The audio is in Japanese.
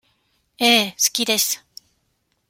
ええ、好きです。